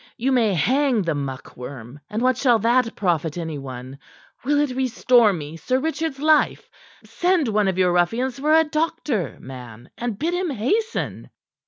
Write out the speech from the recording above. You may hang the muckworm, and what shall that profit any one? Will it restore me Sir Richard's life? Send one of your ruffians for a doctor, man. And bid him hasten."